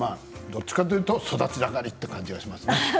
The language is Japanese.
どちらかというと育ち盛りという感じがしますね。